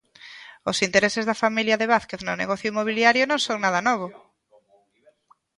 Os intereses da familia de Vázquez no negocio inmobiliario non son nada novo.